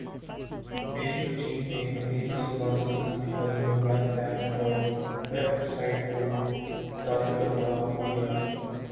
Beijing چین نے انگریزی زبان سکھانے والی موبائل ایپ اور ویب سایٹ کو متعارف کروا دیا ہے